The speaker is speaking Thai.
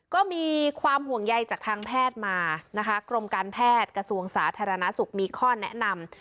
ก็มีความห่วงใยจากทางแพทย์มานะคะกรมการแพทย์กระทรวงสาธารณสุขมีข้อแนะนำ